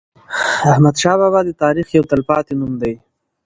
احمدشاه بابا د تاریخ یو تل پاتی نوم دی.